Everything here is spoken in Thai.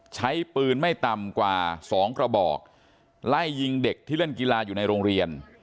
ใช้ปืนไม่ต่ำกว่าสองกระบอกไล่ยิงเด็กที่เล่นกีฬาอยู่ในโรงเรียน